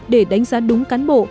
để đánh giá đúng cán bộ